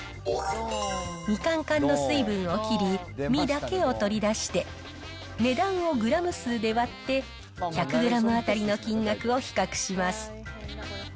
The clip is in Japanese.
みかん缶の水分を切り、実だけを取り出して、値段をグラム数で割って、１００グラム当たりの金額を比較します。